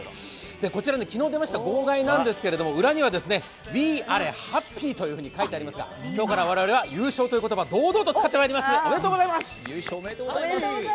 こちら、昨日出ました号外なんですが浦にはウィーアレハッピ−と書いてありますが今日から我々は優勝という言葉堂々と使ってまいります。